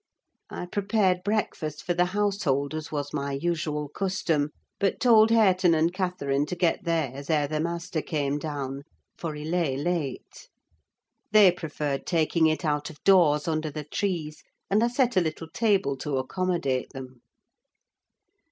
I prepared breakfast for the household, as was my usual custom, but told Hareton and Catherine to get theirs ere the master came down, for he lay late. They preferred taking it out of doors, under the trees, and I set a little table to accommodate them.